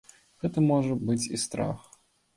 Гэта можа быць і страх.